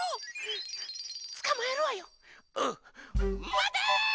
まて！